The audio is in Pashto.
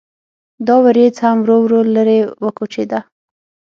دا وریځ هم ورو ورو لرې وکوچېده.